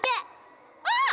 あっ！